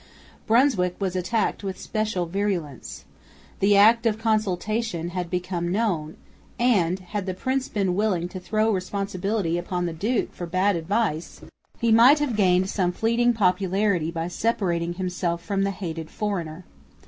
Brunswick was attacked with especial virulence. The "Act of Consultation" had become known; and, had the prince been willing to throw responsibility upon the duke for bad advice he might have gained some fleeting popularity by separating himself from the hated "foreigner."